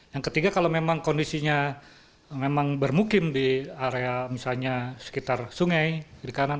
yang ketiga kalau memang kondisinya memang bermukim di area misalnya sekitar sungai kiri kanan